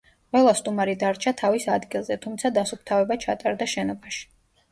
ყველა სტუმარი დარჩა თავის ადგილზე, თუმცა დასუფთავება ჩატარდა შენობაში.